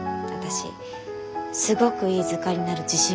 すごくいい図鑑になる自信があります。